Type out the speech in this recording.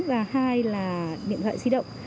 và hai là điện thoại di động